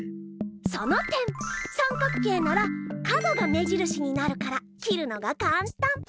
その点さんかく形なら角が目じるしになるから切るのがかんたん。